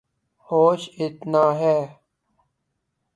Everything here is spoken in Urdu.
ہوش اتنا ہے